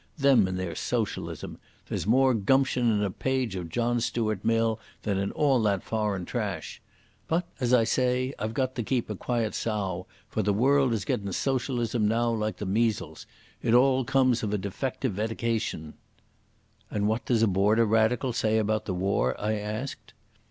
Them and their socialism! There's more gumption in a page of John Stuart Mill than in all that foreign trash. But, as I say, I've got to keep a quiet sough, for the world is gettin' socialism now like the measles. It all comes of a defective eddication." "And what does a Border radical say about the war?" I asked.